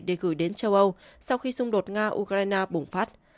để gửi đến châu âu sau khi xung đột nga ukraine bùng phát